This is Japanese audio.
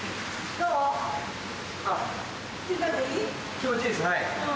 気持ちいいですはい。